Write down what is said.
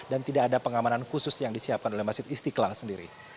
dan tidak ada pengamanan khusus yang disiapkan oleh masjid istiqlal sendiri